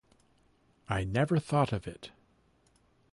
I never thought of it.